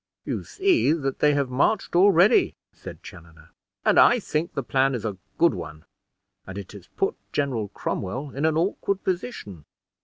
"You see that they have marched already," said Chaloner, "and I think the plan is a good one, and it has put General Cromwell in an awkward position.